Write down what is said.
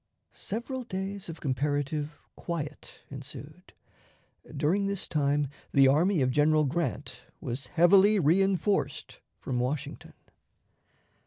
Several days of comparative quiet ensued. During this time the army of General Grant was heavily reënforced from Washington.